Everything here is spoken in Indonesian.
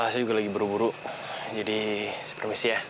saya juga lagi buru buru jadi saya permisi ya